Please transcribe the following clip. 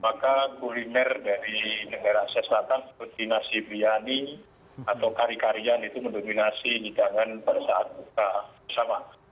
maka kuliner dari negara asia selatan seperti nasi biani atau kari karian itu mendominasi hidangan pada saat buka bersama